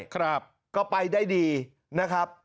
ก็ไปได้ดีนะครับ